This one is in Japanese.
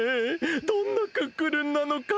どんなクックルンなのか？